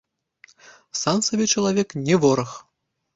Сам сабе чалавек не вораг!